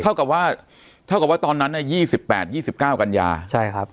เท่ากับว่าเท่ากับว่าตอนนั้นน่ะยี่สิบแปดยี่สิบเก้ากันยาใช่ครับ